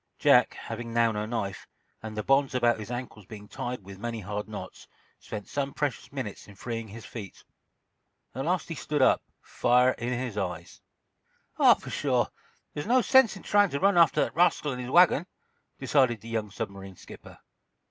Jack, having now no knife, and the bonds about his ankles being tied with many hard knots, spent some precious minutes in freeing his feet. At last he stood up, fire in his eyes. "Oh, pshaw! There's no sense in trying to run after that rascal and his wagon," decided the young submarine skipper.